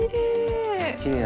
きれい。